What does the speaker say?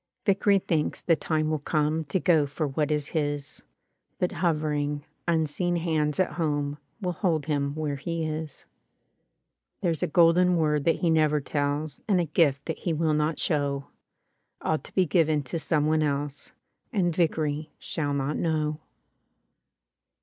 Vickery thinks the time will come To go for what is his; But hovering, unseen hands at home Will hold him where he is. There's a golden word that he never tells And a gift that he will not show. All to be given to some one else — And Vickery shall not know.